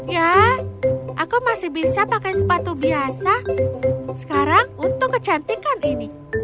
ya aku masih bisa pakai sepatu biasa sekarang untuk kecantikan ini